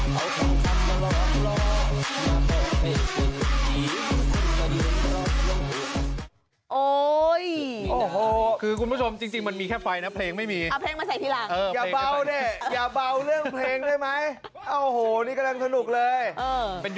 มีผู้หญิงปวดมาเห่อเขาทำทำมารอบรอบมาเห่อเพราะเป็นคนที่